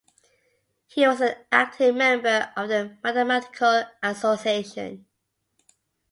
He was an active member of the Mathematical Association.